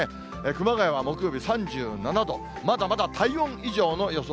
熊谷は木曜日３７度、まだまだ体温以上の予想